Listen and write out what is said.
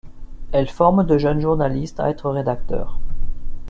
Elle forme de jeunes journalistes à être rédacteur.